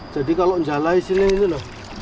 jadi kalau jala isinya ini loh